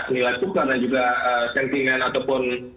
nilai tukar dan juga sentimen ataupun